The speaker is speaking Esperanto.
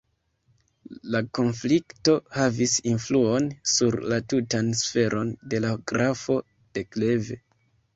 La konflikto havis influon sur la tutan sferon de la grafo de Kleve.